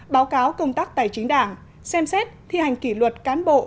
báo cáo công tác tài chính đảng xem xét thi hành kỷ luật cán bộ